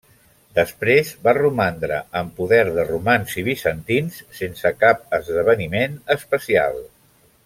Després, va romandre en poder de romans i bizantins sense cap esdeveniment especial.